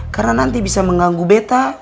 karena nanti bisa mengganggu beta